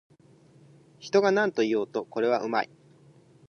人がなんと言おうと、これはうまい